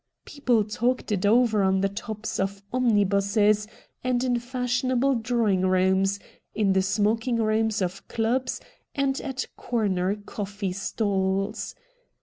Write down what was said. People talked it over on the tops of omnibuses, and in fash ionable drawing rooms, in the smoking rooms of clubs, and at corner coffee stalls.